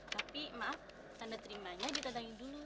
tapi maaf tanda terimanya ditetangin dulu